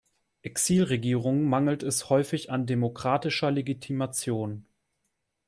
Exilregierungen mangelt es häufig an demokratischer Legitimation.